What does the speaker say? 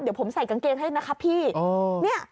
เดี๋ยวผมใส่กางเกงให้นะครับพี่